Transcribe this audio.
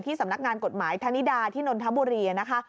สำนักงานกฎหมายธนิดาที่นนทบุรีนะคะ